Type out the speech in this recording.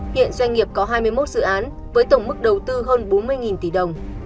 hiện doanh nghiệp có hai mươi một dự án với tổng mức đầu tư hơn bốn mươi tỷ đồng